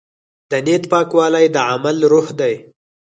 د نیت پاکوالی د عمل روح دی.